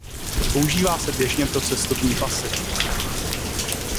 Používá se běžně pro cestovní pasy.